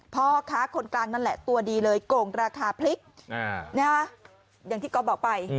พ่อค้าคนกลางนั่นแหละตัวดีเลยโกงราคาพริกอย่างที่ก๊อฟบอกไป